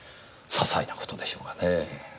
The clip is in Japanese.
些細な事でしょうかねぇ。